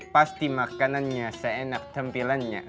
pasti makanannya seenak tampilannya